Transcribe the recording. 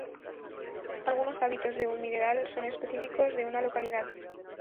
Algunos hábitos de un mineral son específicos de una localidad.